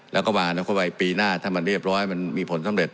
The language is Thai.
แล้วก็ว่านับข้อมูลไปปีหน้าถ้ามันเรียบร้อยมันมีผลสำเร็จ